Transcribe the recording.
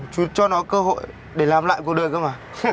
chú cho nó cơ hội để làm lại cuộc đời không à